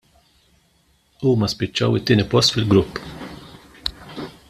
Huma spiċċaw it-tieni post fil-grupp.